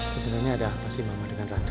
sebenarnya ada apa sih mama dengan ratu